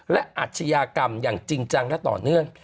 และอาชญากรรมอย่างจริงจังและต่อเนื่อง